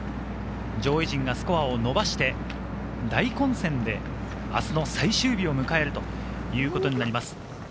上位陣がスコアを伸ばして大混戦で明日の最終日を迎えるということになります。